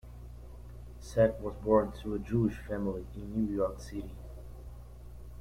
Sack was born to a Jewish family in New York City.